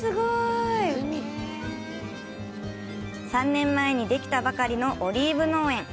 ３年前にできたばかりのオリーブ農園。